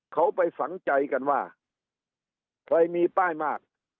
เขาไปฝังใจกันว่าเคยมีป้ายมาก